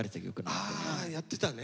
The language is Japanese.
やってたね。